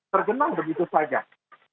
tergenal begitu saja